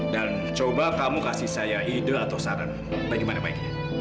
dan coba kamu kasih saya ide atau saran bagaimana baiknya